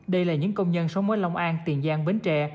đây là những công nhân sống ở long an tiền giang bến tre